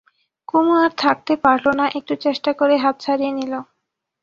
কুমু আর থাকতে পারলে না, একটু চেষ্টা করেই হাত ছাড়িয়ে নিলে।